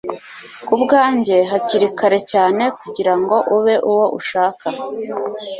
kubwanjye, hakiri kare cyane kugirango ube uwo ushaka